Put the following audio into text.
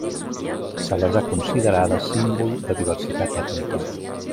Se les ha considerades símbol de diversitat ètnica.